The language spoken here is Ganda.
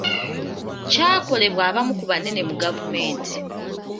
Kyakolebwa abamu ku banene mu gavumenti.